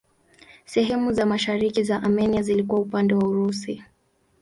Sehemu za mashariki za Armenia zilikuwa upande wa Urusi.